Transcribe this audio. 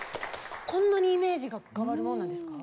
こんなにイメージが変わるものなんですか？